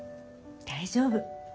大丈夫。